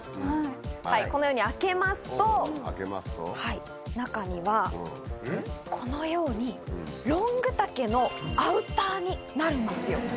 はいこのように開けますとはい中にはこのようにロング丈のアウターになるんですよ。